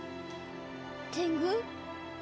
天狗？